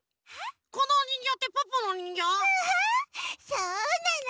そうなの。